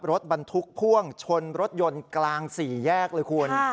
รถบรรทุกพ่วงชนรถยนต์กลางสี่แยกเลยคุณ